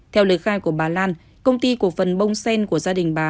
theo lời khai của bà lan công ty cổ phần bông sen của gia đình bà